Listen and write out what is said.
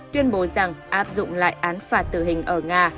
tuyên bố rằng áp dụng lại án phạt tử hình ở nga